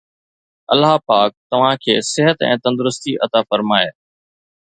الله پاڪ توهان کي صحت ۽ تندرستي عطا فرمائي.